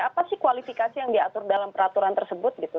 apa sih kualifikasi yang diatur dalam peraturan tersebut gitu